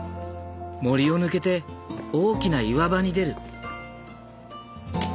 森を抜けて大きな岩場に出る。